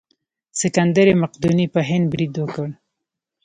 سکندر مقدوني په هند برید وکړ.